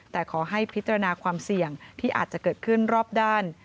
แต่ขอให้พิจารณาความเสี่ยงที่อาจจะเกิดขึ้นรอบด้าน